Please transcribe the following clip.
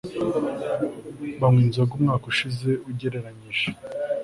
banywa inzoga umwaka ushize ugereranyije